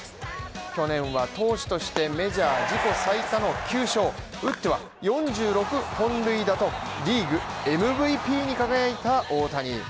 去年は投手として、メジャー自己最多の９勝打っては４６本塁打と、リーグＭＶＰに輝いた大谷。